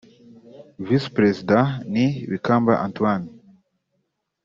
Visi Perezida ni Bikamba Antoine